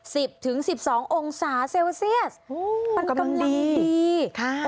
สิบถึงสิบสององศาเซลเซียสโหกำลังดีปันกำลังดีค่ะ